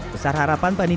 besar harapan panitia